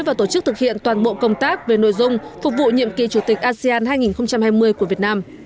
và tổ chức thực hiện toàn bộ công tác về nội dung phục vụ nhiệm kỳ chủ tịch asean hai nghìn hai mươi của việt nam